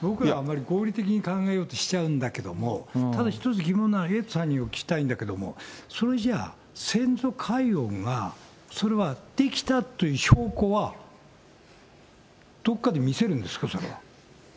僕ら合理的に考えようとしちゃうんだけど、ただ、一つ疑問なのは、エイトさんにお聞きしたいんだけれども、それじゃあ、先祖解怨がそれはできたという証拠は、どこかで見せるんですか、それは。